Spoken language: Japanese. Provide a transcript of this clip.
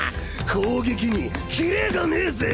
攻撃にキレがねえぜ。